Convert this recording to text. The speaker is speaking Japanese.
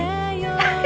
はい。